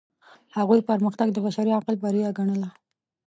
هغوی پرمختګ د بشري عقل بریا ګڼله.